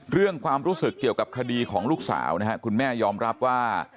เรื่องความรู้สึกเกี่ยวกับคดีของลูกสาวนะฮะคุณแม่ยอมรับว่า